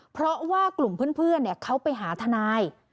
เพราะว่ากลุ่มเพื่อนเขาไปหาทนาย